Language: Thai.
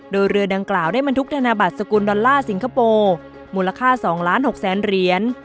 โดยเรือดังกล่าวได้บรรทุกธนบัตรสกุลดอลลาร์สิงคโปร์มูลค่า๒๖๐๐๐เหรียญ